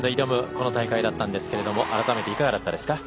この大会だったんですが改めていかがでしたか？